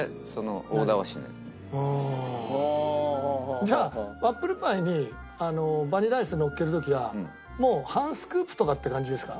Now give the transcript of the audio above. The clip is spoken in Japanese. じゃあアップルパイにバニラアイスのっける時はもう半スクープとかって感じですか？